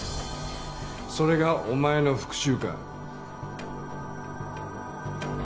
それがお前の復讐か。